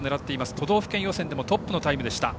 都道府県予選でもトップのタイムでした。